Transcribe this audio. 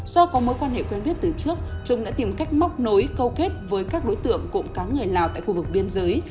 do có mối quan hệ quen biết từ trước trung đã tìm cách móc nối câu kết với các đối tượng cộng cán người lào tại khu vực biên giới